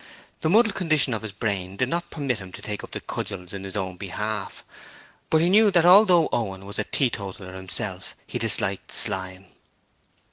The muddled condition of his brain did not permit him to take up the cudgels in his own behalf, but he knew that although Owen was a tee totaller himself, he disliked Slyme.